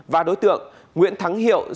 và đối tượng nguyễn thắng hiệu